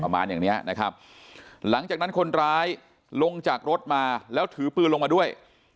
อย่างเนี้ยนะครับหลังจากนั้นคนร้ายลงจากรถมาแล้วถือปืนลงมาด้วย